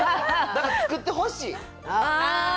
だから作ってほしい。